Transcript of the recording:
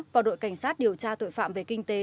và đội cảnh sát điều tra tội phạm về kinh tế